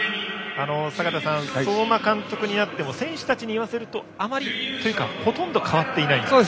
坂田さん、相馬監督になっても選手たちに言わせるとあまりというかほとんど変わっていないと。